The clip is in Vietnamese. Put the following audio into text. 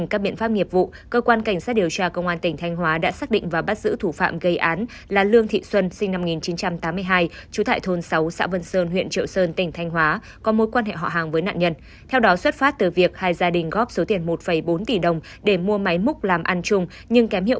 các bạn có thể nhớ like share và đăng ký kênh của chúng mình nhé